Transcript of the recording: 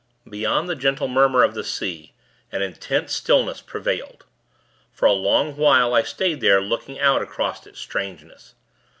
Beyond the gentle murmur of the sea, an intense stillness prevailed. For a long while, I stayed there, looking out across its strangeness.